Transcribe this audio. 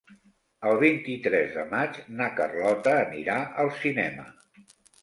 El vint-i-tres de maig na Carlota anirà al cinema.